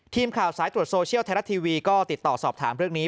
ทีมข่าวสายตรวจโซเชียลไทยรัฐทีวีก็ติดต่อสอบถามเรื่องนี้